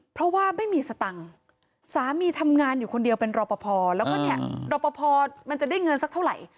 เพราะว่าไม่มีสตังค์สามีทำงานอยู่คนเดียวเป็นรอปภแล้วก็เนี่ยรอปภมันจะได้เงินสักเท่าไหร่